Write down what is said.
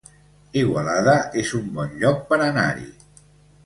Igualada es un bon lloc per anar-hi